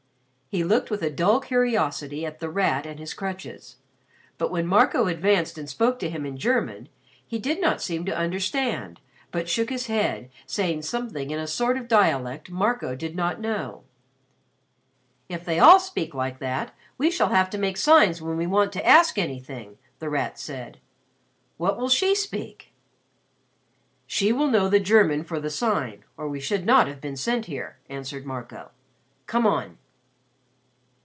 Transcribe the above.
He looked with a dull curiosity at The Rat and his crutches; but when Marco advanced and spoke to him in German, he did not seem to understand, but shook his head saying something in a sort of dialect Marco did not know. "If they all speak like that, we shall have to make signs when we want to ask anything," The Rat said. "What will she speak?" "She will know the German for the Sign or we should not have been sent here," answered Marco. "Come on."